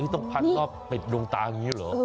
ต้องพันรอบปิดดวงตาอย่างนี้เหรอ